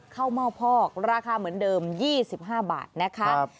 ข้าวเม่าพอกราคาเหมือนเดิม๒๕บาทนะคะ